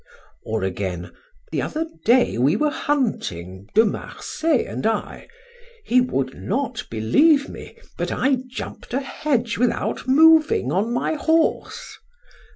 Or again: "The other day we were hunting, De Marsay and I, He would not believe me, but I jumped a hedge without moving on my horse!"